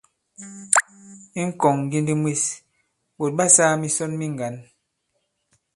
I ŋ̀kɔ̀ŋŋgindi mwes, ɓòt ɓa sāā misɔn mi ŋgǎn.